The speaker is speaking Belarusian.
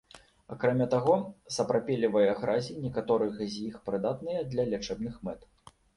Акрамя таго, сапрапелевыя гразі некаторых з іх прыдатныя для лячэбных мэт.